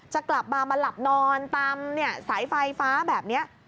จะกลับมามาหลับนอนตามสายไฟฟ้าแบบนี้